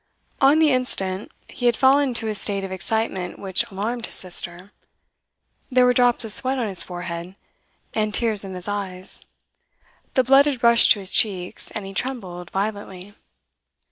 On the instant, he had fallen into a state of excitement which alarmed his sister. There were drops of sweat on his forehead, and tears in his eyes; the blood had rushed to his cheeks, and he trembled violently.